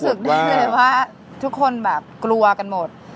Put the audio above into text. รู้สึกได้เลยว่าทุกคนแบบกลัวกันหมด